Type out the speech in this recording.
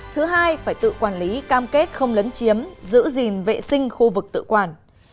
thứ hai phải tự quản lý cam kết không lấn chiếm giữ gìn vệ sinh khu vực tự quản